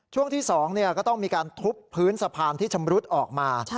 ช่วงที่๒ก็ต้องมีการทุบพื้นสะพานที่ชำรุดออกมา